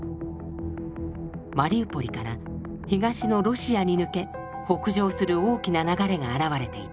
マリウポリから東のロシアに抜け北上する大きな流れが現れていた。